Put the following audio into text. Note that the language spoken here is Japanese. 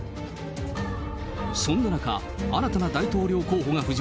そんな中、新たな大統領候補が浮上。